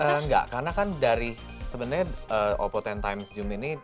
enggak karena kan dari sebenarnya oppo sepuluh x zoom ini